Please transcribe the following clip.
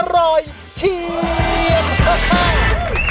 อร่อยเชียง